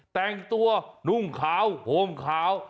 แต่งตัวนุ่งขาวห่มขาว